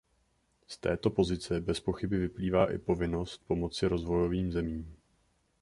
Z této pozice bezpochyby vyplývá i povinnost pomoci rozvojovým zemím.